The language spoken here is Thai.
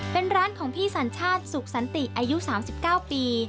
เป็นร้านของพี่สัญชาติสุขสันติอายุ๓๙ปี